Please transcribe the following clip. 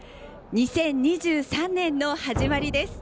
２０２３年の始まりです。